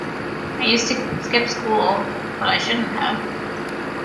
I used to skip school, but I shouldn't have.